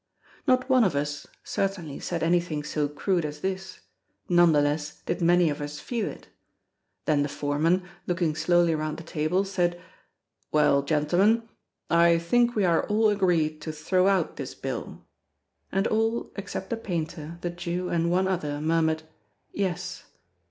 Not one of us, certainly said anything so crude as this; none the less did many of us feel it. Then the foreman, looking slowly round the table, said: "Well, gentlemen, I think we are all agreed to throw out this bill"; and all, except the painter, the Jew, and one other, murmured: "Yes."